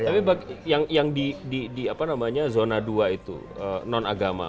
tapi yang di zona dua itu non agama